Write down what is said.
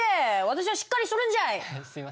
私はしっかりしとるんじゃい！